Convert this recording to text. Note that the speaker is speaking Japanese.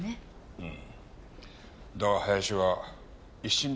うん。